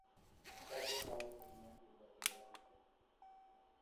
Cada Estado tenía su gobernador propio.